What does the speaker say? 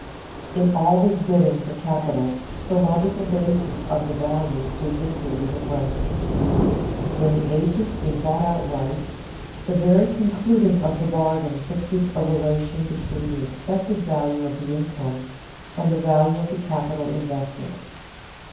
In all this bidding for capital the logical basis of the value is the series of rents. When the agent is bought outright, the very concluding of the bargain fixes a relation between the expected value of the income and the value of the capital invested.